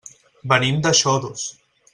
Venim de Xodos.